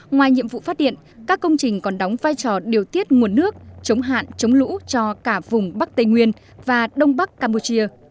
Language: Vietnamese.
ngoài nhiệm vụ phát điện các công trình còn đóng vai trò điều tiết nguồn nước chống hạn chống lũ cho cả vùng bắc tây nguyên và đông bắc campuchia